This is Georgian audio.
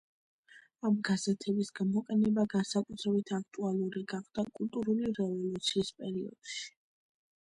ამ გაზეთების გამოყენება განსაკუთრებით აქტუალური გახდა კულტურული რევოლუციის პერიოდში.